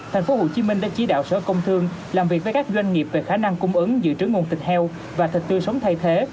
thành phố hồ chí minh đã chỉ đạo sở công thương làm việc với các doanh nghiệp về khả năng cung ứng giữ trữ nguồn thịt heo và thịt tươi sống thay thế